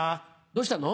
どうしたの？